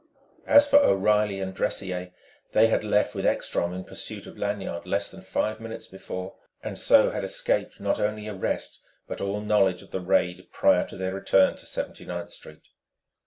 As for O'Reilly and Dressier, they had left with Ekstrom in pursuit of Lanyard less than five minutes before, and so had escaped not only arrest but all knowledge of the raid prior to their return to Seventy ninth Street.